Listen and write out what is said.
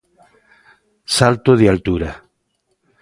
Salto de altura.